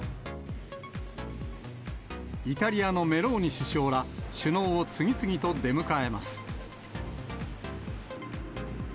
イタリアのメローニ首相ら、首脳を次々と出迎えます。